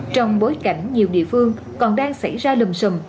trong bối cảnh nhiều địa phương còn đang xảy ra lùm xùm